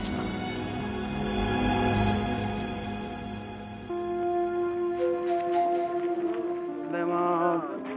おはようございます。